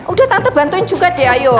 udah tante juga deh ayo